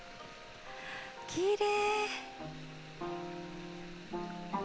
きれい！